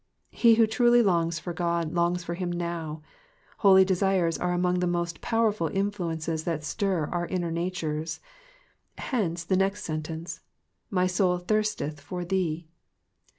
He who truly longs for God longs for him now. Holy desires are among the most powerful in fluences that stir our inner nature ; hence the next sentence, *M/y tout thii'Hteth for ihee.''